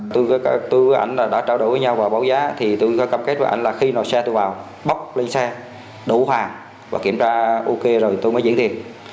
tôi với ảnh đã trả đổi với nhau vào báo giá thì tôi có cam kết với ảnh là khi xe tôi vào bốc lên xe đổ hàng và kiểm tra ok rồi tôi mới diễn thiệp